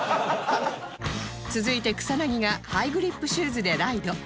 続いて草薙がハイグリップシューズでライド